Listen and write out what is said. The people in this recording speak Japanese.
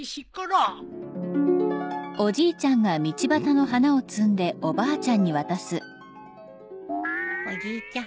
うんおじいちゃん